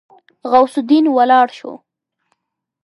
غوث الدين ولاړ شو.